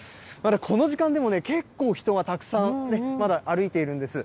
この時間でもね、結構人がたくさん、まだ歩いているんです。